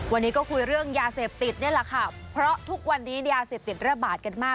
วันนี้ก็คุยเรื่องยาเสพติดนี่แหละค่ะเพราะทุกวันนี้ยาเสพติดระบาดกันมาก